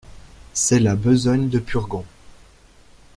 C'est là besogne de purgons.